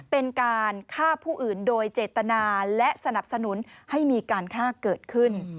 เป็นการฆ่าผู้อื่นโดยเจตนาและสนับสนุนให้มีการฆ่าเกิดขึ้น